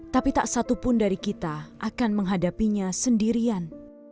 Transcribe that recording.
tapi tak satupun dari kita akan menghadapinya sendirian